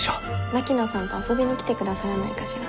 槙野さんと遊びに来てくださらないかしら？